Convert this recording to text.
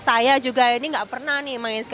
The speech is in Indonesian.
saya juga ini gak pernah nih main ski